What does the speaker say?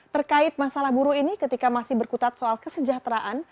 terkait masalah buruh ini ketika masih berkutat soal kesejahteraan